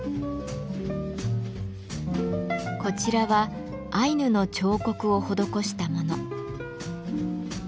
こちらはアイヌの彫刻を施したもの。